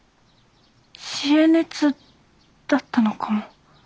知恵熱だったのかも。